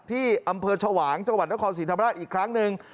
ที่อำเภอชวางจังหวัดนครศรีธรรมราชอีกครั้งหนึ่ง